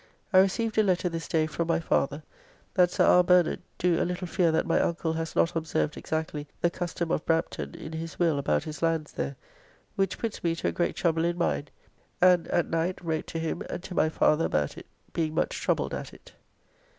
I received a letter this day from my father, that Sir R. Bernard do a little fear that my uncle has not observed exactly the custom of Brampton in his will about his lands there, which puts me to a great trouble in mind, and at, night wrote to him and to my father about it, being much troubled at it.